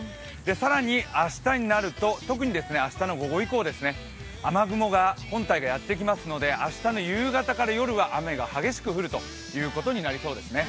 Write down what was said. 更に明日になると特に明日の午後以降雨雲が本体がやって来ますので明日の夕方から夜は雨が激しく降ることになりそうですね。